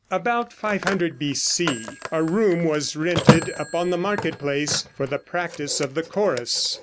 About 500 B.C. a room was rented upon the market place for the practice of the chorus.